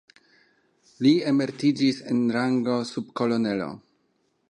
Li emeritiĝis en rango subkolonelo.